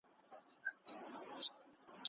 شنه بوټي د اقلیم د تعدیل لپاره اړین دي.